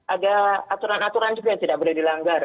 ada aturan aturan juga yang tidak boleh dilanggar